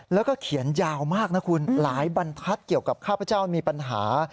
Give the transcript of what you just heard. แล้วก็เขียนยาวมากนะคุณหลายบรรทัศน์เกี่ยวกับข้าพเจ้ามีปัญหา